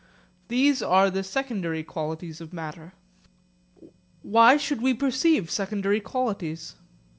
These are the secondary qualities of matter. Why should we perceive secondary qualities?